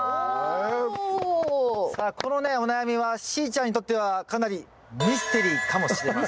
さあこのねお悩みはしーちゃんにとってはかなりミステリーかもしれません。